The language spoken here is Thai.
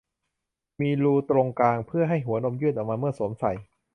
มีรูตรงกลาง เพื่อให้หัวนมยื่นออกมาเมื่อสวมใส่